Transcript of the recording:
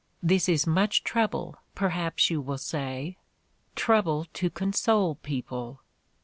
This is much trouble, perhaps you will say. Trouble to console people!